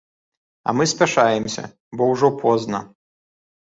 А мы спяшаемся, бо ўжо позна.